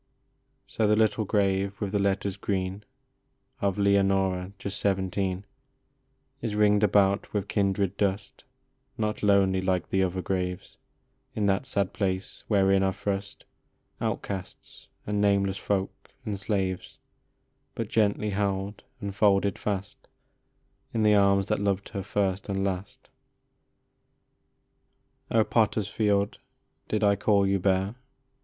So the little grave, with the letters green, Of " Leonora, just seventeen," Is ringed about with kindred dust, Not lonely like the other graves In that sad place, wherein are thrust Outcasts and nameless folk and slaves, But gently held and folded fast In the arms that loved her first and last. 200 LOVE UNQUENCHABLE. O potter s field, did I call you bare